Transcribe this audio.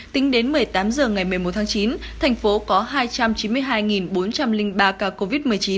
tính đến một mươi tám h ngày một mươi một tháng chín thành phố có hai trăm chín mươi hai bốn trăm linh ba ca covid một mươi chín